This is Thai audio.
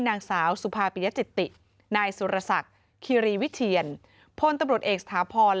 นางสาวสุภาปิยจิตินายสุรศักดิ์คิรีวิเทียนพลตำรวจเอกสถาพร